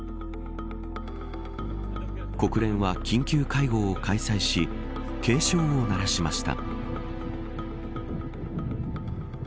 国連は緊急会合を開催し警鐘を鳴らしました。